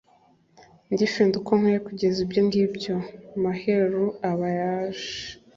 Ngifinda uko nkwiyeKugenza ibyo ngibyoMaheru aba yaje